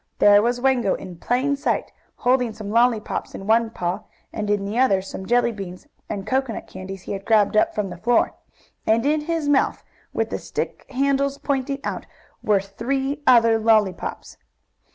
There was Wango, in plain sight, holding some lollypops in one paw, and in the other some jelly beans and coconut candies he had grabbed up from the floor. And in his mouth, with the stick handles pointing out, were three other lollypops!